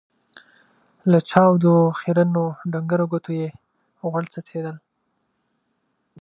له چاودو، خيرنو ، ډنګرو ګوتو يې غوړ څڅېدل.